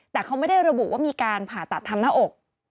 แต่เขาไม่ได้ระบุว่ามีการผ่าตัดทำหน้าอก